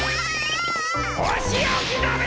おしおきだべ！